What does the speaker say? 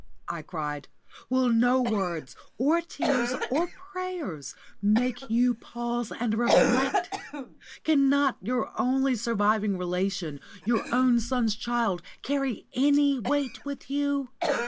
I cried, "will no words, or tears, or prayers, make you pause and reflect? Cannot your only surviving relation, your own son's child, carry any weight with you?